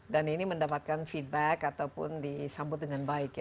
dan ini mendapatkan feedback ataupun disambut dengan baik ya